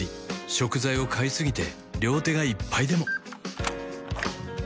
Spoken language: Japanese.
食材を買いすぎて両手がいっぱいでも